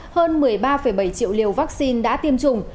hơn một mươi ba bảy triệu liều vaccine đã tiêm chủng